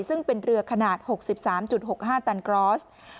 ซึ่งเป็นเรือขนาด๖๓๖๕ตันกรอส